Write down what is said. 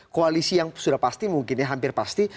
koalisi yang sudah pasti mungkin ya hampir pasti